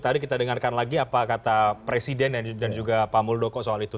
tadi kita dengarkan lagi apa kata presiden dan juga pak muldoko soal itu